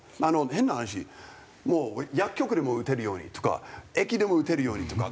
変な話薬局でも打てるようにとか駅でも打てるようにとか。